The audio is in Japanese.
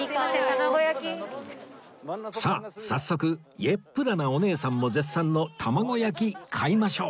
さあ早速イェップダなお姉さんも絶賛の玉子焼買いましょう